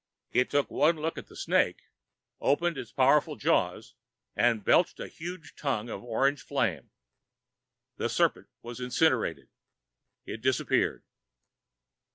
It took one look at the snake, opened its powerful jaws, and belched a huge tongue of orange flame. The serpent was incinerated. It disappeared.